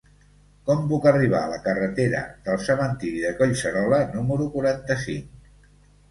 Com puc arribar a la carretera del Cementiri de Collserola número quaranta-cinc?